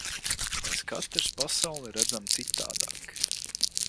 Mēs katrs pasauli redzam citādāk.